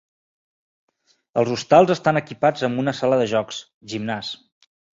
Els hostals estan equipats amb una sala de jocs, gimnàs.